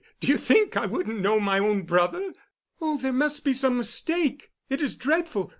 Do you think I wouldn't know my own brother?" "Oh, there must be some mistake—it is dreadful.